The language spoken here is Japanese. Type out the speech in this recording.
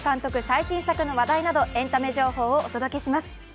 最新作の話題などエンタメ情報をお届けします。